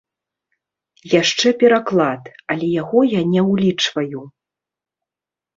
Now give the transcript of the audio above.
Яшчэ пераклад, але яго я не ўлічваю.